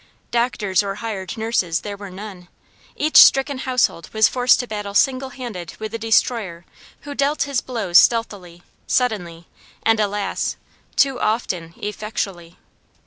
Doctors or hired nurses there were none; each stricken household was forced to battle single handed with the destroyer who dealt his blows stealthily, suddenly, and alas! too often, effectually.